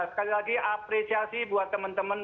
sekali lagi apresiasi buat teman teman